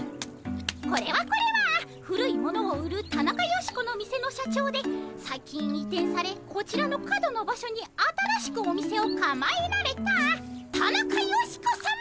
これはこれは古いものを売るタナカヨシコの店の社長で最近移転されこちらの角の場所に新しくお店をかまえられたタナカヨシコさま。